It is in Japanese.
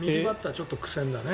ちょっと苦戦だね。